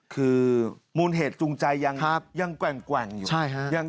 คือมูลเหตุจูงใจยังแกว่งอยู่